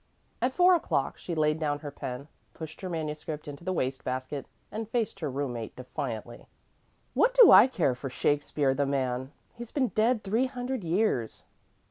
At four o'clock she laid down her pen, pushed her manuscript into the waste basket, and faced her room mate defiantly. "What do I care about Shakspere, the man? He's been dead three hundred years."